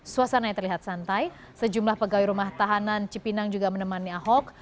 suasana yang terlihat santai sejumlah pegawai rumah tahanan cipinang juga menemani ahok